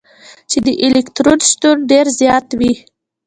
چي د الکترون شتون ډېر زيات وي.